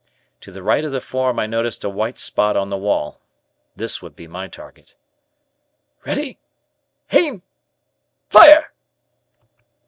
To the right of the form I noticed a white spot on the wall. This would be my target. "Ready! Aim! Fire!"